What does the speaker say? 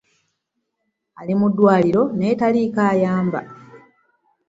Ali mu ddwaliro naye taliiko ayamba.